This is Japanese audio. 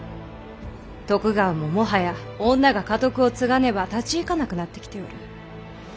徳川ももはや女が家督を継がねば立ち行かなくなってきておる。